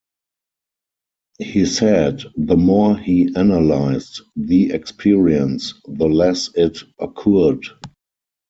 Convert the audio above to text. He said the more he analyzed the experience, the less it occurred.